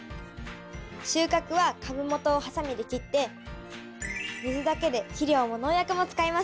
収穫は株元をハサミで切って水だけで肥料も農薬も使いません。